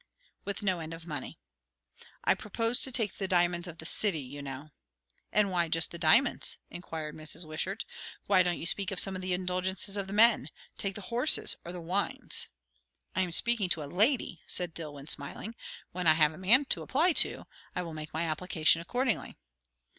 "With no end of money." "I proposed to take the diamonds of the city, you know." "And why just the diamonds?" inquired Mrs. Wishart. "Why don't you speak of some of the indulgences of the men? Take the horses or the wines " "I am speaking to a lady," said Dillwyn, smiling. "When I have a man to apply to, I will make my application accordingly."